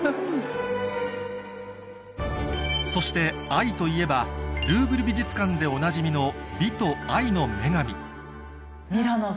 そして愛といえばルーヴル美術館でおなじみの美と愛の女神